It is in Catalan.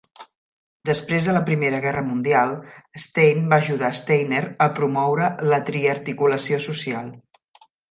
Després de la Primera Guerra Mundial, Stein va ajudar Steiner a promoure la Triarticulació social.